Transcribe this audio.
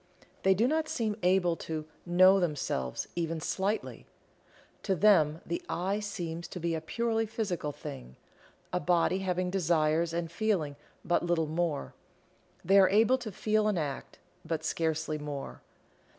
They do not seem able to "know themselves" even slightly. To them the "I" seems to be a purely physical thing a body having desires and feeling but little more. They are able to feel an act, but scarcely more.